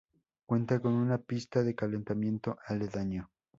Cuenta con una pista de calentamiento aledaño.